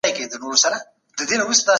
خپله پاملرنه به په مثبتو اړخونو تمرکز کوئ.